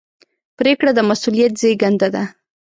پرېکړه د مسؤلیت زېږنده ده.